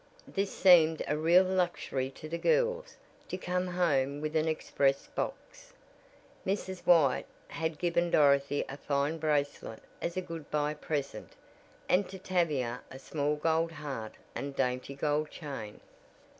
This seemed a real luxury to the girls to come home with an express box. Mrs. White had given Dorothy a fine bracelet as a good bye present, and to Tavia a small gold heart and dainty gold chain.